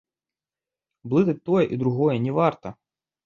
Блытаць тое і другое не варта.